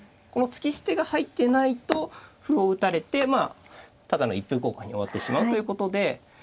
この突き捨てが入ってないと歩を打たれてただの一歩交換に終わってしまうということで。